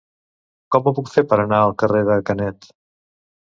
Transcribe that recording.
Com ho puc fer per anar al carrer de Canet?